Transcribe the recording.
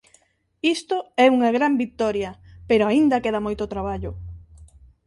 Isto é unha gran vitoria, pero aínda queda moito traballo.